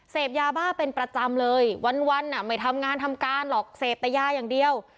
เสพยาบ้าเป็นประจำเลยวันไม่ทำงานทำการหรอกเสพแต่ยาอย่างเดียว